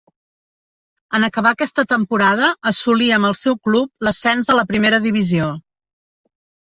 En acabar aquesta temporada assolí amb el seu club l'ascens a la primera divisió.